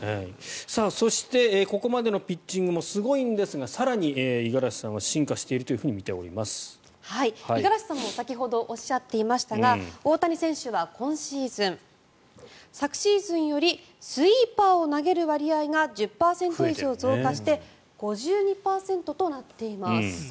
そして、ここまでのピッチングもすごいんですが更に、五十嵐さんは進化しているというふうに五十嵐さんも先ほどおっしゃっていましたが大谷選手は今シーズン、昨シーズンよりスイーパーを投げる割合が１０％以上増加して５２％となっています。